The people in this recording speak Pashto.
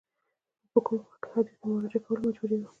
موږ په کوم وخت کي حدیث ته په مراجعه کولو مجبوریږو؟